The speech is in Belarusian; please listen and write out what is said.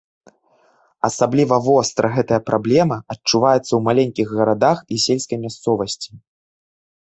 Асабліва востра гэтая праблема адчуваецца ў маленькіх гарадах і сельскай мясцовасці.